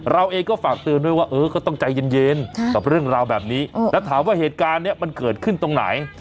เราเองก็ฝากเตือนด้วยว่าเออก็ต้องใจเย็นกับเรื่องราวแบบนี้แล้วถามว่าเหตุการณ์นี้มันเกิดขึ้นตรงไหน